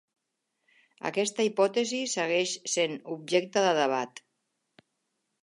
Aquesta hipòtesi segueix sent objecte de debat.